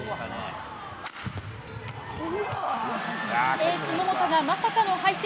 エース桃田がまさかの敗戦。